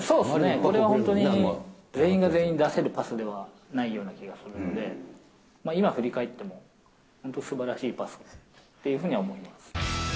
これは本当に、全員が全員出せるパスではないと思うので、今、振り返っても本当、すばらしいパスというふうには思います。